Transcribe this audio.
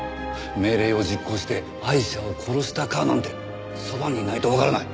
命令を実行してアイシャを殺したかなんてそばにいないとわからない。